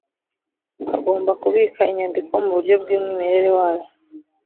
agomba kubika inyandiko mu buryo bw’umwimerere wazo